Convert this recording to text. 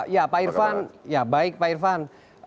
ya pak irfan ya baik pak irfan